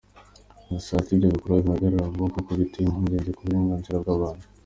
Agasaba ko ibyo bikorwa bihagarara vuba kuko biteye impungenge ku burenganzira bwa muntu.